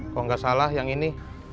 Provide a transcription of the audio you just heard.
kalau nggak salah yang ini